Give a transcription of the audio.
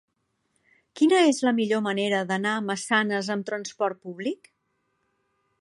Quina és la millor manera d'anar a Massanes amb trasport públic?